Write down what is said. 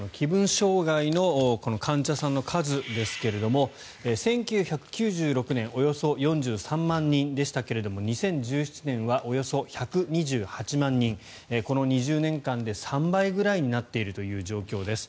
障害のこの患者さんの数ですけども１９９６年およそ４３万人でしたが２０１７年はおよそ１２８万人この２０年間で３倍ぐらいになっているという状況です。